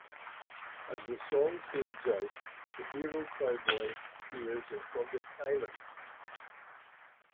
As the song fades out, the hero cowboy appears in front of Tyler.